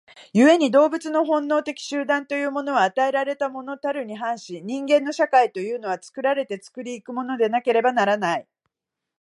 故に動物の本能的集団というものは与えられたものたるに反し、人間の社会というのは作られて作り行くものでなければならない。